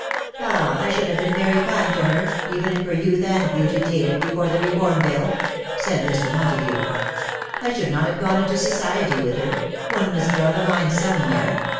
''" Ah, I should have been very kind to her, even if her youth and beauty dated before the Reform Bill/' said Mr. Montagu. " I should not have gone into society with her — one must draw the line somewhere.